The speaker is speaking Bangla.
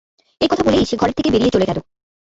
এই কথা বলেই সে ঘরের থেকে বেরিয়ে চলে গেল।